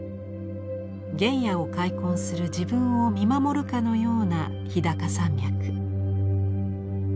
原野を開墾する自分を見守るかのような日高山脈。